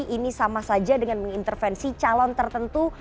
ini sama saja dengan mengintervensi calon tertentu